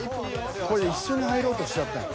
［これ一緒に入ろうとしちゃったんよ］